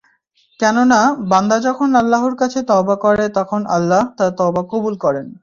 কেননা, বান্দা যখন আল্লাহর কাছে তওবা করে তখন আল্লাহ তার তওবা কবূল করেন।